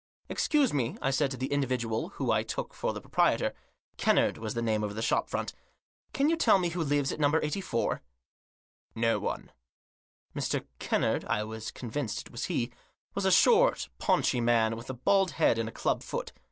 " Excuse me," I said to the individual whom I took for the proprietor — "Kennard" was the name over the shop front — "Can you tell me who lives at No. 84?" " No one." Mr. Kennard — I was convinced it was he — was a short, paunchy man, with a bald head and a club foot.